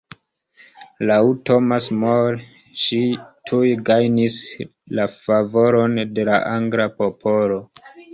Laŭ Thomas More ŝi tuj gajnis la favoron de la angla popolo.